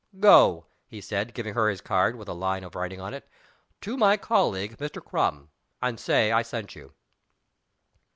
"Go," he said, giving her his card, with a line of writing on it, "to my colleague, Mr. Crum; and say I sent you."